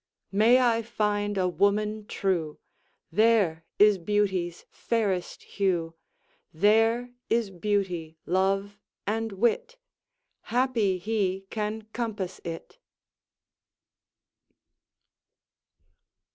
May I find a woman true, There is beauty's fairest hue, There is beauty, love, and wit: Happy he can compass it!